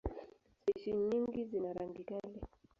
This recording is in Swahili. Spishi nyingi zina rangi kali.